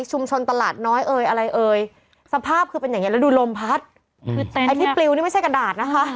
ตลาดน้อยเอ่ยอะไรเอ่ยสภาพคือเป็นอย่างเงี้แล้วดูลมพัดคือเต็มไอ้ที่ปลิวนี่ไม่ใช่กระดาษนะคะ